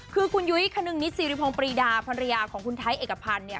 คือคุณยุ้ยคนึงนิดสิริพงศ์ปรีดาภรรยาของคุณไทยเอกพันธ์เนี่ย